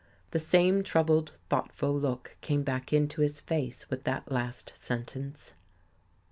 The same troubled, thoughtful look came back into his face with that last sentence.